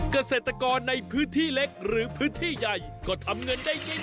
เกษตรกรในพื้นที่เล็กหรือพื้นที่ใหญ่ก็ทำเงินได้ง่าย